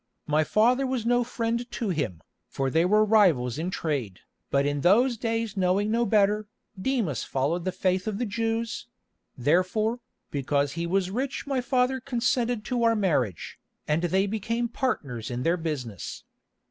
My father was no friend to him, for they were rivals in trade, but in those days knowing no better, Demas followed the faith of the Jews; therefore, because he was rich my father consented to our marriage, and they became partners in their business.